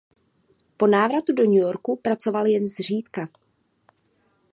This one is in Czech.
Po návratu do New Yorku pracoval jen zřídka.